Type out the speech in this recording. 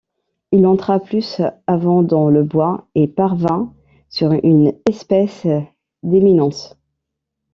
Il entra plus avant dans le bois et parvint sur une espèce d’éminence.